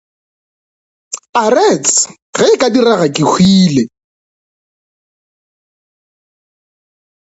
Aretse ge e ka direga ke hwile.